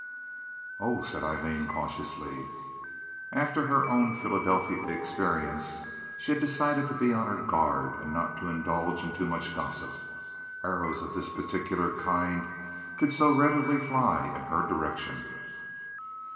"Oh!" said Aileen, cautiously. After her own Philadelphia experience she had decided to be on her guard and not indulge in too much gossip. Arrows of this particular kind could so readily fly in her direction.